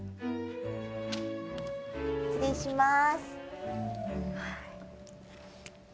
失礼します。